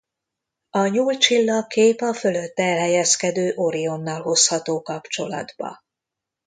A Nyúl csillagkép a fölötte elhelyezkedő Orionnal hozható kapcsolatba.